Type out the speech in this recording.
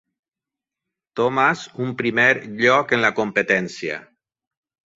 Thomas un primer lloc en la competència.